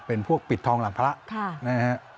เป็นพวกปิดทองหลังพระนะฮะ